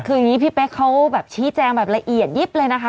คืออย่างนี้พี่เป๊กเขาแบบชี้แจงแบบละเอียดยิบเลยนะคะ